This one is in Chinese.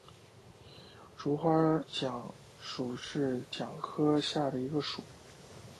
喙花姜属是姜科下的一个属。